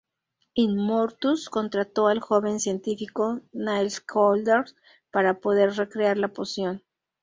Immortus contrató al joven científico Niles Caulder para poder recrear la poción.